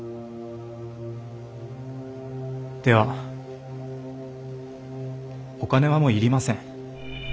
ではお金はもう要りません。